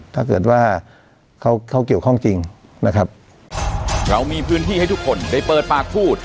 ถ้าเกิดว่าเขาเขาเกี่ยวข้องจริงนะครับเรามีพื้นที่ให้ทุกคนได้เปิดปากพูด